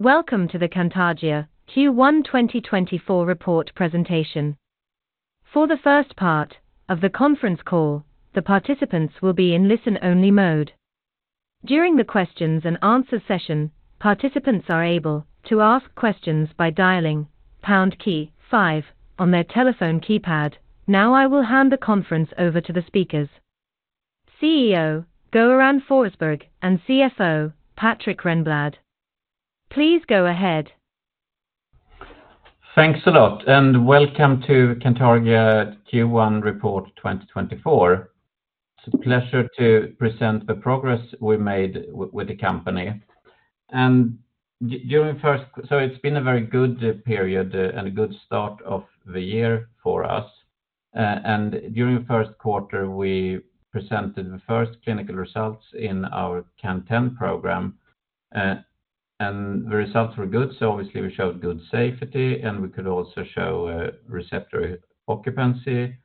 Welcome to the Cantargia Q1 2024 report presentation. For the first part of the conference call, the participants will be in listen-only mode. During the questions and answer session, participants are able to ask questions by dialing pound key five on their telephone keypad. Now, I will hand the conference over to the speakers. CEO, Göran Forsberg, and CFO, Patrik Renblad. Please go ahead. Thanks a lot, and welcome to Cantargia Q1 report 2024. It's a pleasure to present the progress we made with the company. So it's been a very good period, and a good start of the year for us. During the first quarter, we presented the first clinical results in our CAN10 program, and the results were good. So obviously, we showed good safety, and we could also show receptor occupancy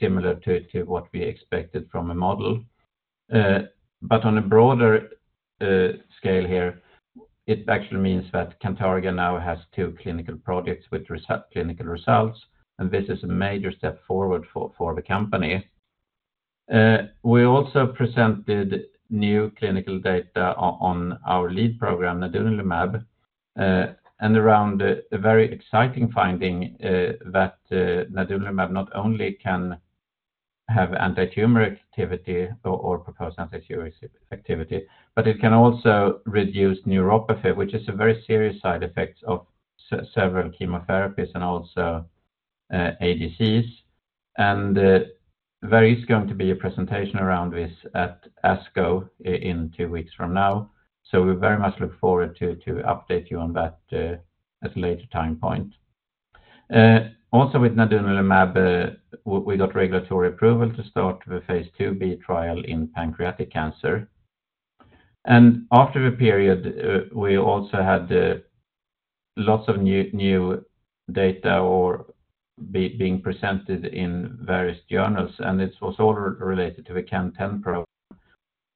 similar to what we expected from a model. But on a broader scale here, it actually means that Cantargia now has two clinical projects with research clinical results, and this is a major step forward for the company. We also presented new clinical data on our lead program, nadunolimab, and around a very exciting finding, that nadunolimab not only can have antitumor activity or proposed antitumor activity, but it can also reduce neuropathy, which is a very serious side effects of several chemotherapies and also, ADCs. There is going to be a presentation around this at ASCO in two weeks from now. So we very much look forward to update you on that at a later time point. Also with nadunolimab, we got regulatory approval to start the phase II-B trial in pancreatic cancer. After the period, we also had lots of new data being presented in various journals, and this was all related to the CAN10 program.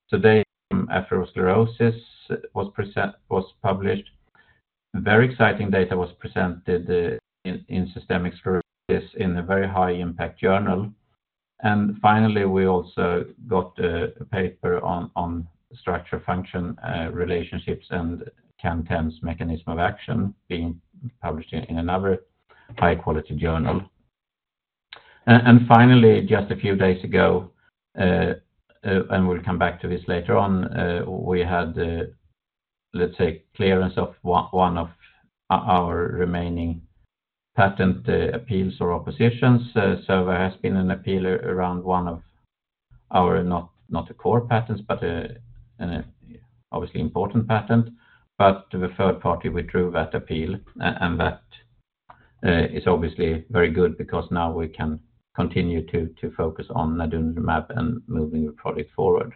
Today, Atherosclerosis was published. Very exciting data was presented in systemic sclerosis in a very high impact journal. And finally, we also got a paper on structure-function relationships and CAN10's mechanism of action being published in another high-quality journal. And finally, just a few days ago, and we'll come back to this later on, we had, let's say, clearance of one of our remaining patent appeals or oppositions. So there has been an appeal around one of our, not the core patents, but an obviously important patent. But the third party withdrew that appeal, and that is obviously very good because now we can continue to focus on nadunolimab and moving the product forward.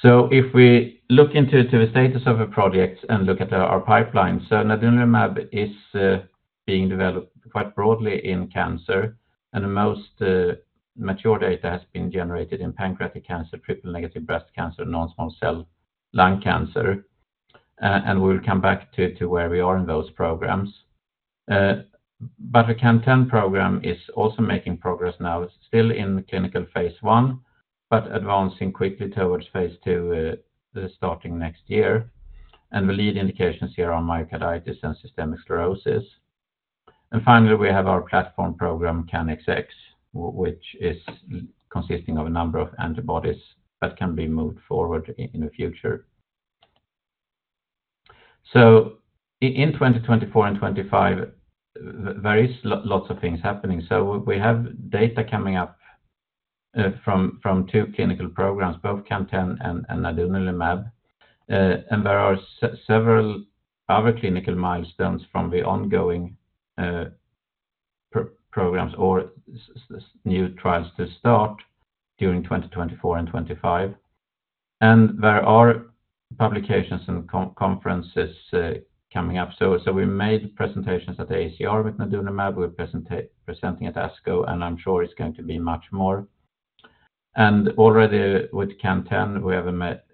So if we look into the status of a project and look at our pipeline, nadunolimab is being developed quite broadly in cancer, and the most mature data has been generated in pancreatic cancer, triple-negative breast cancer, non-small cell lung cancer. And we will come back to where we are in those programs. But the CAN10 program is also making progress now. It's still in clinical phase I, but advancing quickly towards phase II, starting next year. And the lead indications here are myocarditis and systemic sclerosis. And finally, we have our platform program, CANxx, which is consisting of a number of antibodies that can be moved forward in the future. So in 2024 and 2025, there is lots of things happening. So we have data coming up from two clinical programs, both CAN10 and nadunolimab. There are several other clinical milestones from the ongoing programs or new trials to start during 2024 and 2025. There are publications and conferences coming up. So we made presentations at the ACR with nadunolimab. We're presenting at ASCO, and I'm sure it's going to be much more. And already with CAN10, we have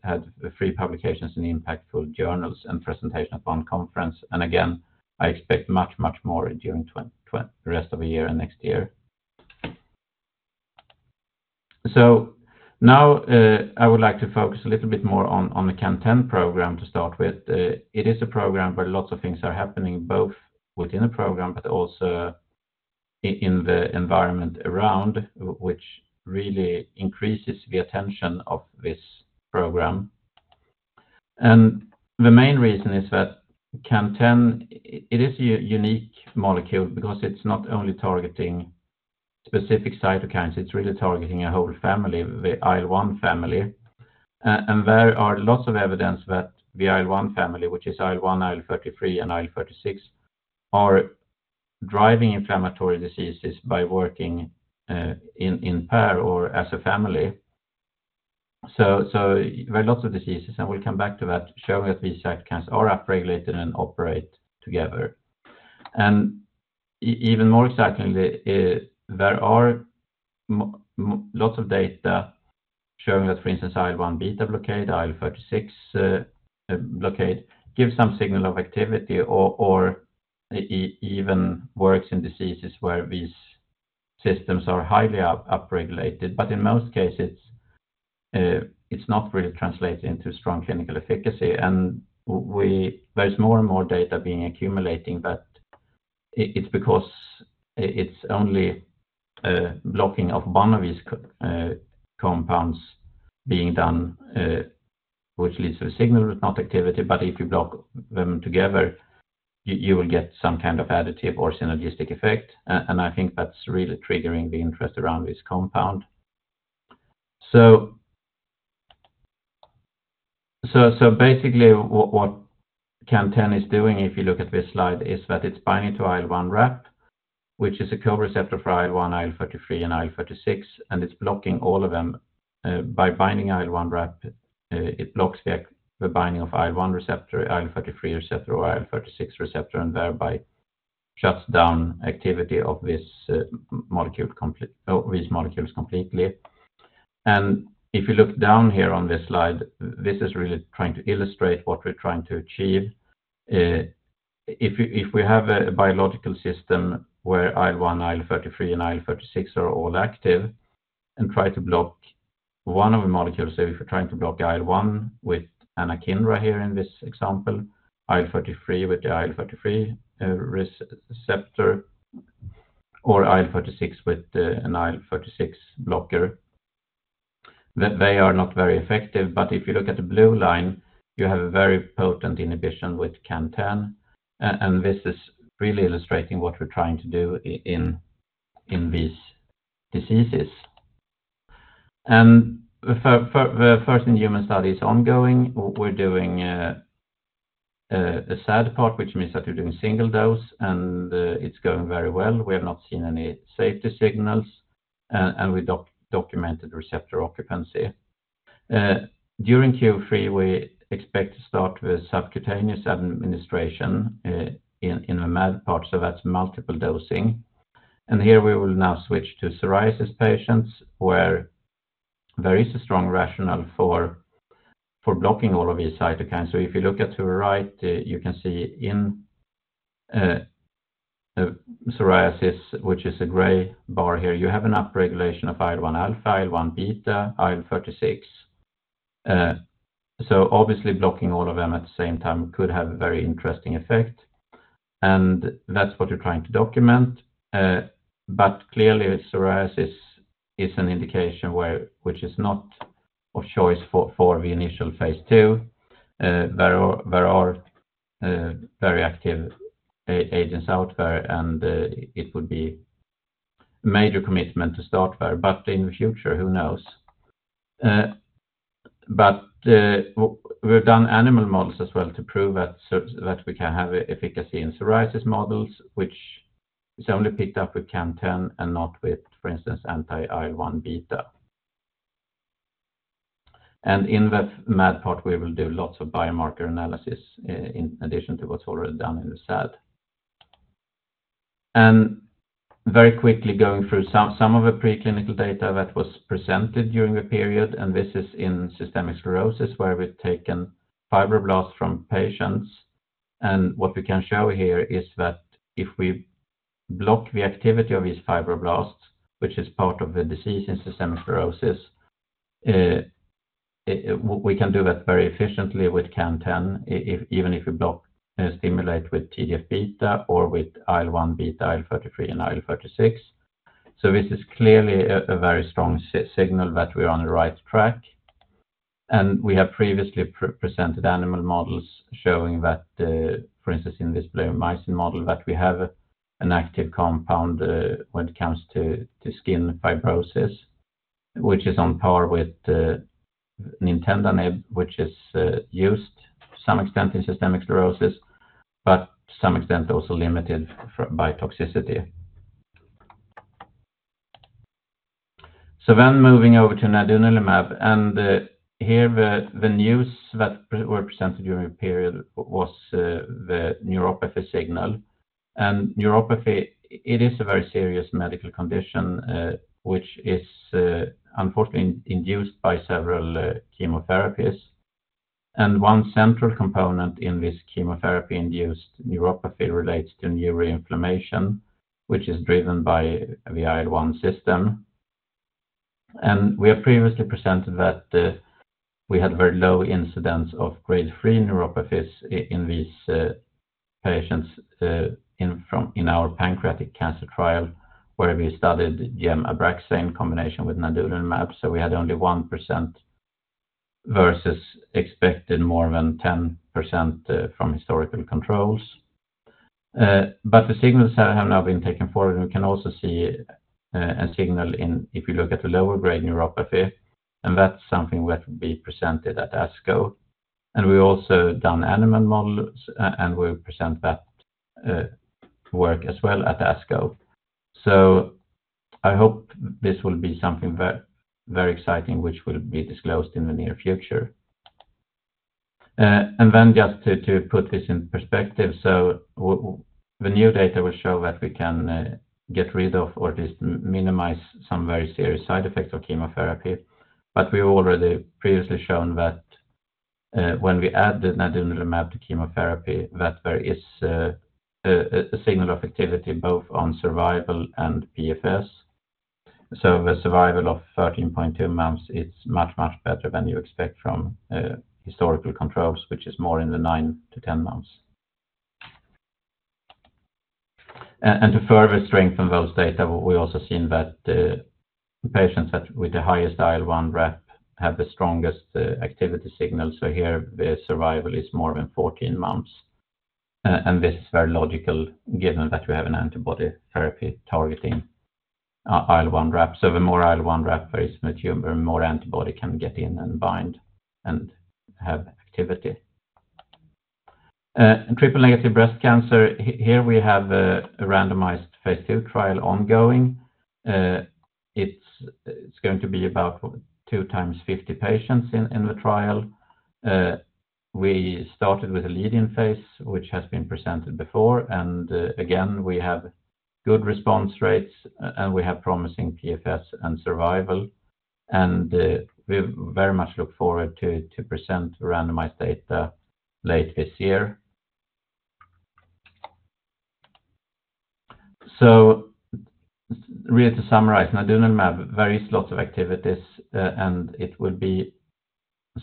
had three publications in impactful journals and presentation at one conference. And again, I expect much, much more during the rest of the year and next year. So now I would like to focus a little bit more on the CAN10 program to start with. It is a program where lots of things are happening, both within the program, but also in the environment around, which really increases the attention of this program. The main reason is that CAN10, it is a unique molecule because it's not only targeting specific cytokines, it's really targeting a whole family, the IL-1 family. And there are lots of evidence that the IL-1 family, which is IL-1, IL-33, and IL-36, are driving inflammatory diseases by working in pair or as a family. So there are lots of diseases, and we'll come back to that, showing that these cytokines are upregulated and operate together.... And even more excitingly, there are lots of data showing that, for instance, IL-1 beta blockade, IL-36 blockade gives some signal of activity or even works in diseases where these systems are highly upregulated. But in most cases, it's not really translating into strong clinical efficacy. There's more and more data being accumulating, but it's because it's only blocking of one of these cytokines being done, which leads to a signal, but not activity. But if you block them together, you will get some kind of additive or synergistic effect, and I think that's really triggering the interest around this compound. So basically, what CAN10 is doing, if you look at this slide, is that it's binding to IL-1RAP, which is a co-receptor for IL-1, IL-33, and IL-36, and it's blocking all of them. By binding IL-1RAP, it blocks the binding of IL-1 receptor, IL-33 receptor, or IL-36 receptor, and thereby shuts down activity of these molecules completely. And if you look down here on this slide, this is really trying to illustrate what we're trying to achieve. If we have a biological system where IL-1, IL-33, and IL-36 are all active and try to block one of the molecules, so if you're trying to block IL-1 with anakinra here in this example, IL-33 with the IL-33 receptor, or IL-36 with an IL-36 blocker, that they are not very effective. But if you look at the blue line, you have a very potent inhibition with CAN10, and this is really illustrating what we're trying to do in these diseases. And the first in human study is ongoing. We're doing a SAD part, which means that we're doing single dose, and it's going very well. We have not seen any safety signals, and we documented receptor occupancy. During Q3, we expect to start with subcutaneous administration, in the MAD part, so that's multiple dosing. Here we will now switch to psoriasis patients, where there is a strong rationale for blocking all of these cytokines. If you look to the right, you can see in psoriasis, which is a gray bar here, you have an upregulation of IL-1 alpha, IL-1 beta, IL-36. So obviously, blocking all of them at the same time could have a very interesting effect, and that's what we're trying to document. Clearly, psoriasis is an indication where which is not of choice for the initial phase II. There are very active agents out there, and it would be a major commitment to start there, but in the future, who knows? But we've done animal models as well to prove that we can have efficacy in psoriasis models, which is only picked up with CAN10 and not with, for instance, anti-IL-1 beta. And in that MAD part, we will do lots of biomarker analysis in addition to what's already done in the SAD. And very quickly going through some of the preclinical data that was presented during the period, and this is in systemic sclerosis, where we've taken fibroblasts from patients. What we can show here is that if we block the activity of these fibroblasts, which is part of the disease in systemic sclerosis, we can do that very efficiently with CAN10, even if we stimulate with TGF-beta or with IL-1 beta, IL-33 and IL-36. So this is clearly a very strong signal that we're on the right track. We have previously presented animal models showing that, for instance, in this bleomycin model, that we have an active compound when it comes to skin fibrosis, which is on par with nintedanib, which is used to some extent in systemic sclerosis, but to some extent also limited by toxicity. Then moving over to nadunolimab, here the news that were presented during the period was the neuropathy signal. Neuropathy, it is a very serious medical condition, which is, unfortunately induced by several chemotherapies. One central component in this chemotherapy-induced neuropathy relates to neuroinflammation, which is driven by the IL-1 system. We have previously presented that we had very low incidence of grade three neuropathies in these patients in our pancreatic cancer trial, where we studied gem/Abraxane in combination with nadunolimab. So we had only 1% versus expected more than 10% from historical controls. But the signals have now been taken forward, and we can also see a signal in if you look at the lower grade neuropathy, and that's something that will be presented at ASCO. We've also done animal models, and we'll present that work as well at ASCO. So I hope this will be something very, very exciting, which will be disclosed in the near future. And then just to put this in perspective, so the new data will show that we can get rid of or at least minimize some very serious side effects of chemotherapy. But we've already previously shown that when we add the nadunolimab to chemotherapy, that there is a signal of activity both on survival and PFS. So the survival of 13.2 months is much, much better than you expect from historical controls, which is more in the nine to 10 months. And to further strengthen those data, we've also seen that the patients that with the highest IL-1RAP have the strongest activity signal. So here, the survival is more than 14 months, and this is very logical, given that we have an antibody therapy targeting IL-1RAP. So the more IL-1RAP there is in the tumor, more antibody can get in and bind and have activity. In triple-negative breast cancer, here we have a randomized phase II trial ongoing. It's going to be about two times 50 patients in the trial. We started with a lead-in phase, which has been presented before, and again, we have good response rates, and we have promising PFS and survival, and we very much look forward to present randomized data late this year. So really to summarize, nadunolimab, various lots of activities, and it would be...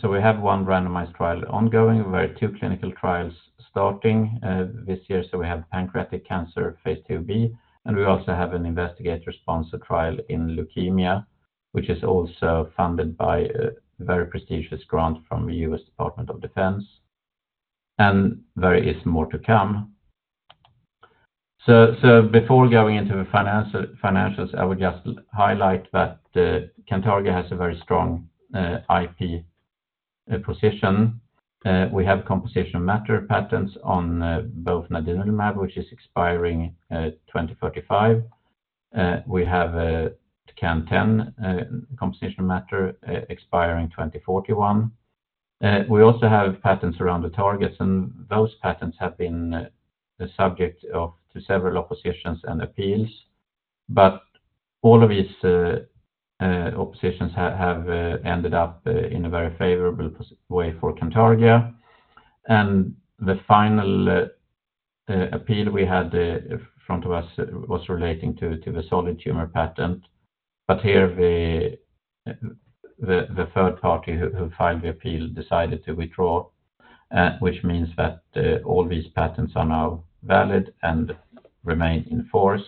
So we have one randomized trial ongoing, we have two clinical trials starting this year. So we have pancreatic cancer phase II-B, and we also have an investigator-sponsored trial in leukemia, which is also funded by a very prestigious grant from the U.S. Department of Defense. And there is more to come. So before going into the financials, I would just highlight that Cantargia has a very strong IP position. We have composition of matter patents on both nadunolimab, which is expiring 2035. We have a CAN10 composition of matter expiring 2041. We also have patents around the targets, and those patents have been the subject of several oppositions and appeals. But all of these oppositions have ended up in a very favorable position for Cantargia. And the final appeal we had in front of us was relating to the solid tumor patent. But here, the third party who filed the appeal decided to withdraw, which means that all these patents are now valid and remain in force.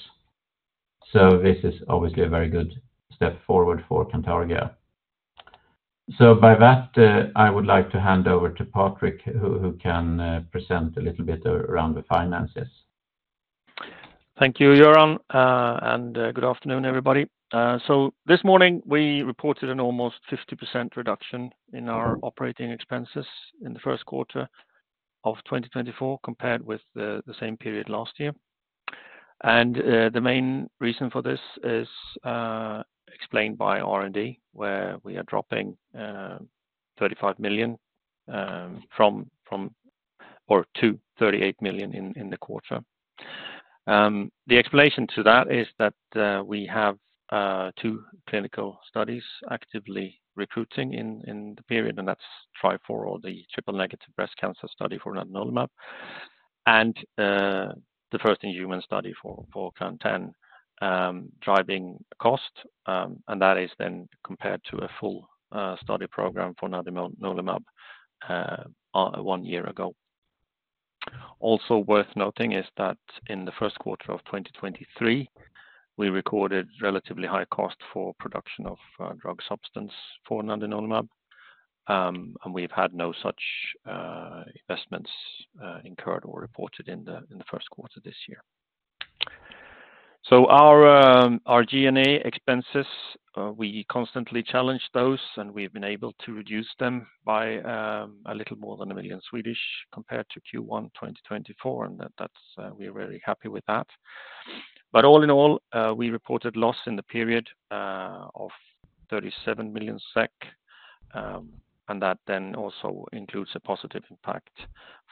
So this is obviously a very good step forward for Cantargia. So by that, I would like to hand over to Patrik, who can present a little bit around the finances. Thank you, Göran, and good afternoon, everybody. So this morning, we reported an almost 50% reduction in our operating expenses in the first quarter of 2024, compared with the same period last year. The main reason for this is explained by R&D, where we are dropping 35 million from or to 38 million in the quarter. The explanation to that is that we have two clinical studies actively recruiting in the period, and that's TRIFOUR or the triple-negative breast cancer study for nadunolimab, and the first-in-human study for CAN10, driving cost, and that is then compared to a full study program for nadunolimab one year ago. Also worth noting is that in the first quarter of 2023, we recorded relatively high cost for production of drug substance for nadunolimab, and we've had no such investments incurred or reported in the first quarter this year. So our G&A expenses, we constantly challenge those, and we've been able to reduce them by a little more than 1 million compared to Q1 2024, and that's. We're really happy with that. But all in all, we reported loss in the period of 37 million SEK, and that then also includes a positive impact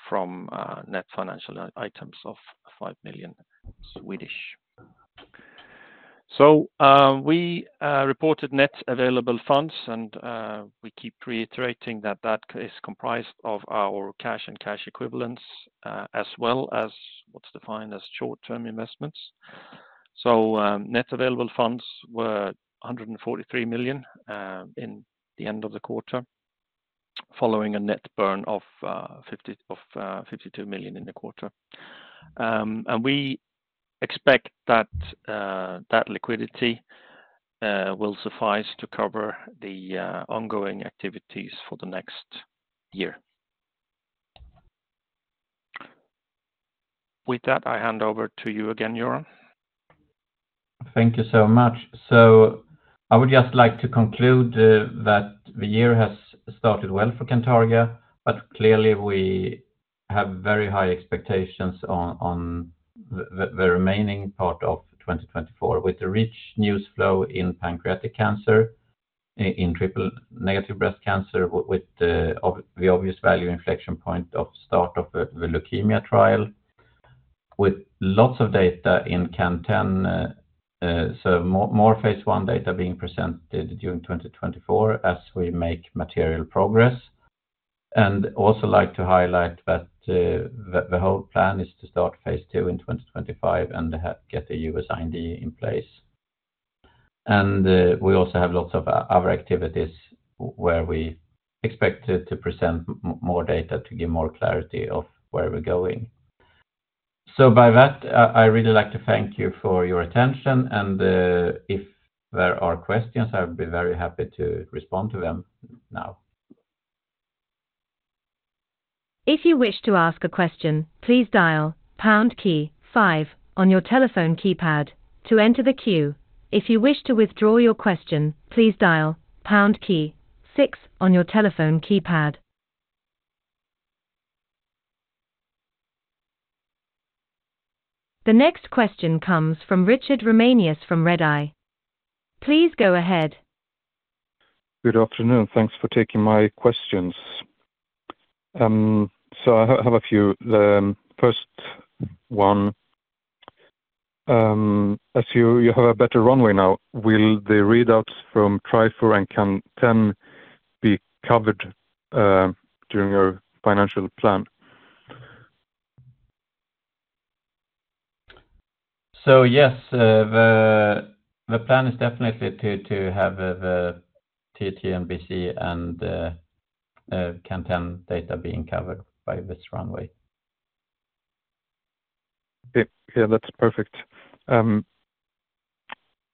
from net financial items of 5 million. So we reported net available funds, and we keep reiterating that that is comprised of our cash and cash equivalents, as well as what's defined as short-term investments. Net available funds were 143 million in the end of the quarter, following a net burn of 52 million in the quarter. We expect that that liquidity will suffice to cover the ongoing activities for the next year. With that, I hand over to you again, Göran. Thank you so much. So I would just like to conclude that the year has started well for Cantargia, but clearly, we have very high expectations on the remaining part of 2024, with the rich news flow in pancreatic cancer, in triple-negative breast cancer, with the obvious value inflection point of start of the leukemia trial, with lots of data in CAN10. So more phase I data being presented during 2024 as we make material progress. And also like to highlight that the whole plan is to start phase II in 2025 and get a U.S. IND in place. And we also have lots of other activities where we expect to present more data to give more clarity of where we're going. With that, I really like to thank you for your attention, and if there are questions, I would be very happy to respond to them now. If you wish to ask a question, please dial pound key five on your telephone keypad to enter the queue. If you wish to withdraw your question, please dial pound key six on your telephone keypad. The next question comes from Richard Ramanius from Redeye. Please go ahead. Good afternoon. Thanks for taking my questions. So I have a few. The first one, as you have a better runway now, will the readouts from TRIFOUR and CAN10 be covered during your financial plan? So yes, the plan is definitely to have the TNBC and the CAN10 data being covered by this runway. Yeah, yeah, that's perfect.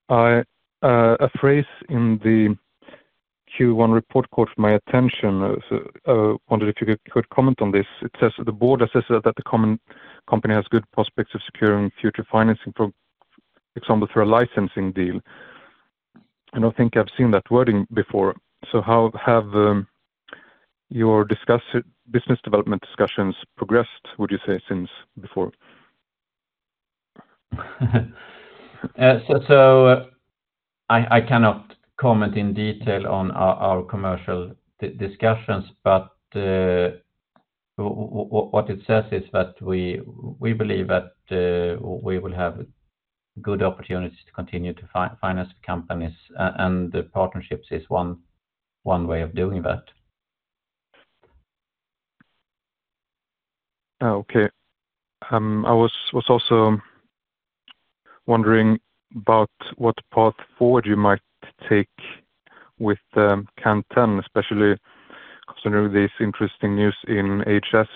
A phrase in the Q1 report caught my attention. So I wondered if you could, could comment on this. It says that the board assesses that the company has good prospects of securing future financing, for example, for a licensing deal. I don't think I've seen that wording before. So how have your business development discussions progressed, would you say, since before? So, I cannot comment in detail on our commercial discussions, but what it says is that we believe that we will have good opportunities to continue to finance the companies, and the partnerships is one way of doing that. Oh, okay. I was also wondering about what path forward you might take with CAN10, especially considering this interesting news in HS.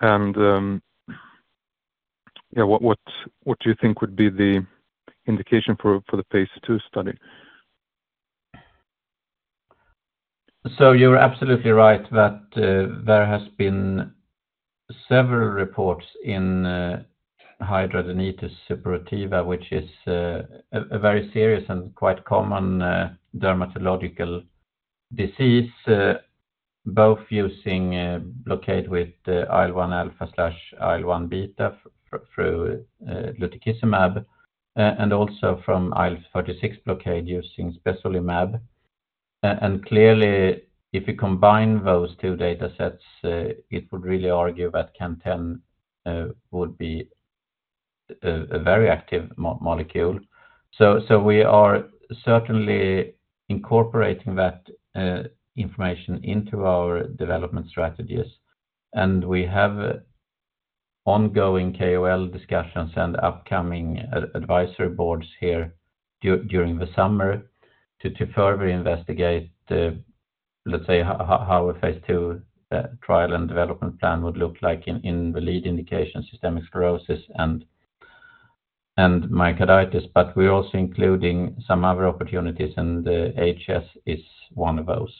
And yeah, what do you think would be the indication for the phase II study? So you're absolutely right that, there has been several reports in, hidradenitis suppurativa, which is, a very serious and quite common, dermatological disease, both using blockade with the IL-1 alpha/IL-1 beta through lutikizumab, and also from IL-36 blockade using spesolimab. And clearly, if you combine those two datasets, it would really argue that CAN10, would be a, a very active molecule. So we are certainly incorporating that information into our development strategies, and we have ongoing KOL discussions and upcoming advisory boards here during the summer to, to further investigate the... let's say, how a phase II trial and development plan would look like in, in the lead indication, systemic sclerosis and myocarditis. But we're also including some other opportunities, and HS is one of those.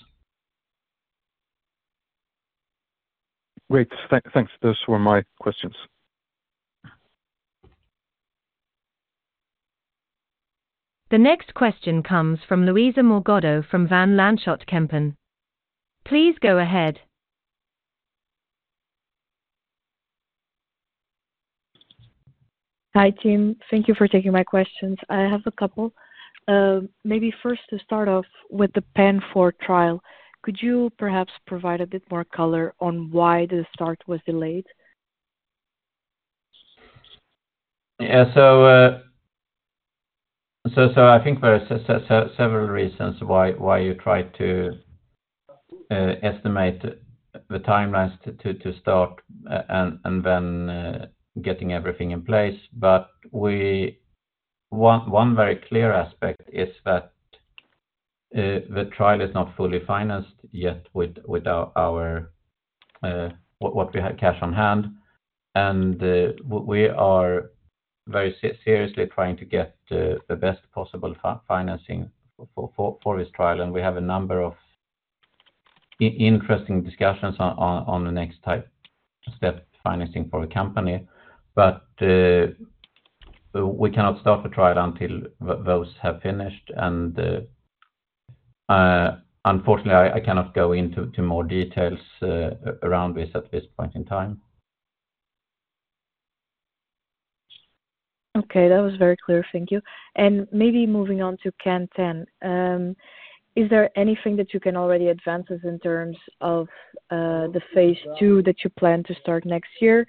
Great. Thanks. Those were my questions. The next question comes from Luísa Morgado, from Van Lanschot Kempen. Please go ahead. Hi, team. Thank you for taking my questions. I have a couple. Maybe first to start off with the PANFOUR trial, could you perhaps provide a bit more color on why the start was delayed? Yeah. So, I think there are several reasons why you try to estimate the timelines to start and then getting everything in place. But one very clear aspect is that the trial is not fully financed yet with what we have cash on hand. And we are very seriously trying to get the best possible financing for this trial, and we have a number of interesting discussions on the next steps financing for the company. But we cannot start the trial until those have finished. Unfortunately, I cannot go into more details around this at this point in time. Okay, that was very clear. Thank you. And maybe moving on to CAN10. Is there anything that you can already advance us in terms of, the phase II that you plan to start next year?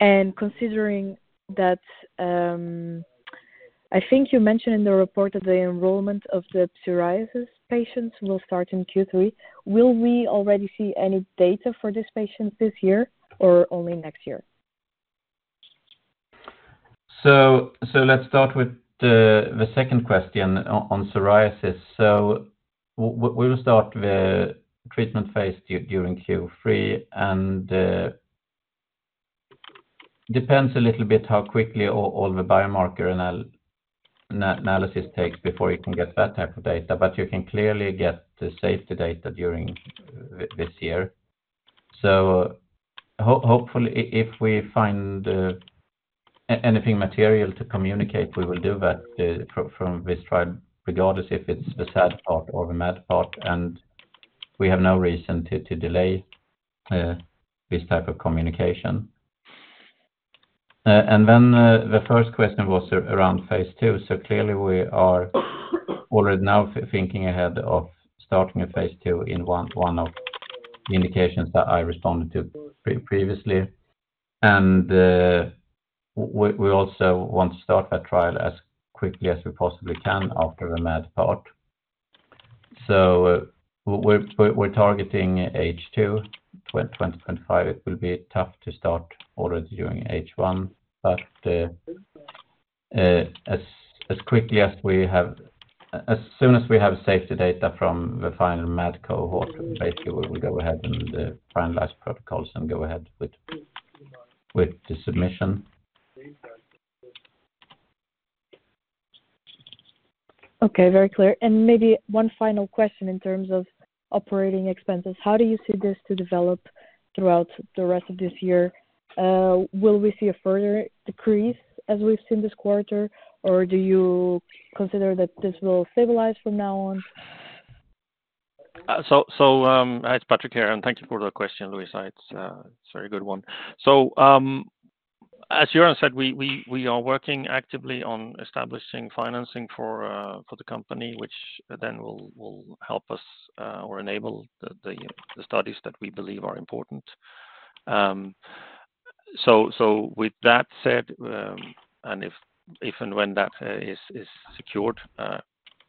And considering that, I think you mentioned in the report that the enrollment of the psoriasis patients will start in Q3. Will we already see any data for these patients this year or only next year? So let's start with the second question on psoriasis. So we will start the treatment phase during Q3, and depends a little bit how quickly all the biomarker analysis takes before you can get that type of data. But you can clearly get the safety data during this year. So hopefully, if we find anything material to communicate, we will do that from this trial, regardless if it's the SAD part or the MAD part, and we have no reason to delay this type of communication. And then, the first question was around phase II. So clearly, we are already now thinking ahead of starting a phase II in one of the indications that I responded to previously. We also want to start that trial as quickly as we possibly can after the MAD part. So we're targeting H2 2025. It will be tough to start already during H1, but as quickly as we have... As soon as we have safety data from the final MAD cohort, basically, we will go ahead and finalize protocols and go ahead with the submission. Okay. Very clear. And maybe one final question in terms of operating expenses. How do you see this to develop throughout the rest of this year? Will we see a further decrease as we've seen this quarter, or do you consider that this will stabilize from now on? Hi, it's Patrik here, and thank you for the question, Luisa. It's a very good one. So, as Göran said, we are working actively on establishing financing for the company, which then will help us or enable the studies that we believe are important. So, with that said, and if and when that is secured,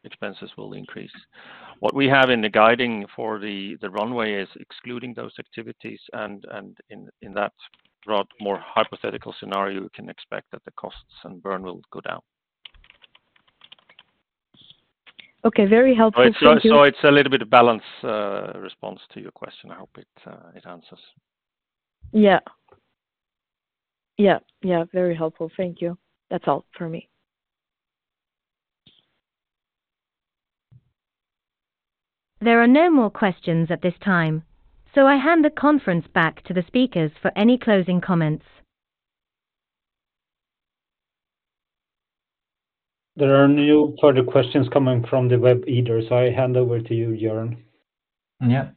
expenses will increase. What we have in the guidance for the runway is excluding those activities, and in that broad, more hypothetical scenario, you can expect that the costs and burn will go down. Okay. Very helpful. Thank you. So it's a little bit of balance, response to your question. I hope it answers. Yeah. Yeah, yeah, very helpful. Thank you. That's all for me. There are no more questions at this time, so I hand the conference back to the speakers for any closing comments. There are no further questions coming from the web either, so I hand over to you, Göran. Yeah.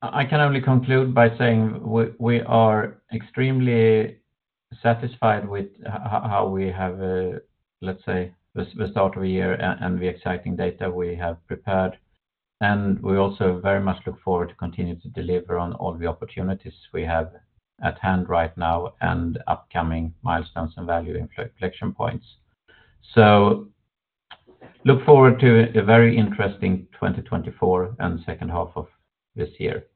I can only conclude by saying we are extremely satisfied with how we have, let's say, the start of a year and the exciting data we have prepared. We also very much look forward to continuing to deliver on all the opportunities we have at hand right now and upcoming milestones and value inflection points. Look forward to a very interesting 2024 and second half of this year.